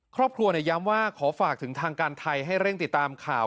ครอบครัวย้ำว่าขอฝากถึงทางการไทยให้เร่งติดตามข่าว